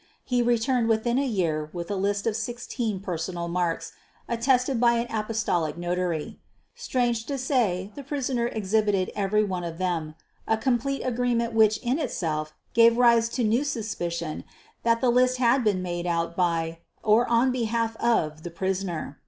He returned within a year with a list of sixteen personal marks attested by an Apostolic notary. Strange to say the prisoner exhibited every one of them a complete agreement which in itself gave rise to the new suspicion that the list had been made out by, or on behalf of, the prisoner.